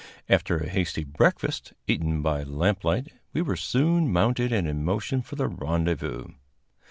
After a hasty breakfast, eaten by lamplight, we were soon mounted and in motion for the rendezvous.